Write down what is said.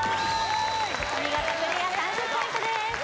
お見事クリア３０ポイントです